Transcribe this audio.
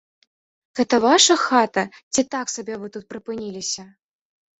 Гэта ваша хата ці так сабе вы тут прыпыніліся?